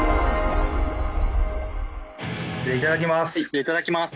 いただきます。